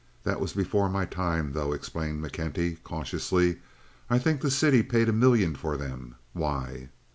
That was before my time, though," explained McKenty, cautiously. "I think the city paid a million for them. Why?"